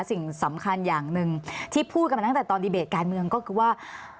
สิ่งสำคัญอย่างหนึ่งที่พูดกันมาตั้งแต่ตอนดีเบตการเมืองก็คือว่า